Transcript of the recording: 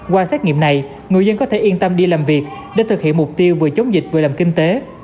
qua xét nghiệm này người dân có thể yên tâm đi làm việc để thực hiện mục tiêu vừa chống dịch vừa làm kinh tế